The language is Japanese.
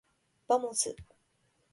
ばもす。